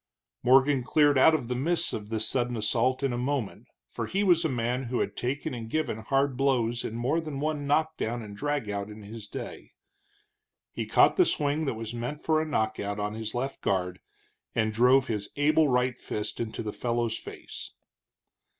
Morgan cleared out of the mists of this sudden assault in a moment, for he was a man who had taken and given hard blows in more than one knock down and drag out in his day. He caught the swing that was meant for a knock out on his left guard, and drove his able right fist into the fellow's face.